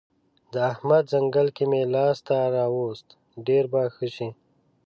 د احمد ځنګل که مې لاس ته راوست؛ ډېر به ښه شي.